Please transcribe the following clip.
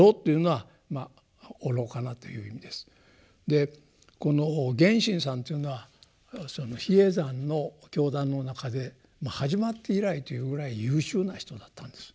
でこの源信さんというのは比叡山の教団の中で始まって以来というぐらい優秀な人だったんです。